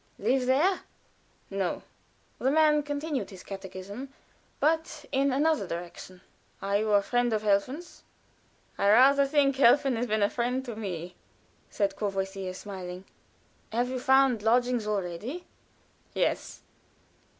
"Live there?" "No." The man continued his catechism, but in another direction. "Are you a friend of Helfen's?" "I rather think Helfen has been a friend to me," said Courvoisier, smiling. "Have you found lodgings already?" "Yes."